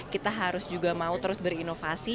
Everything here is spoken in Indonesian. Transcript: kita harus juga mau terus berinovasi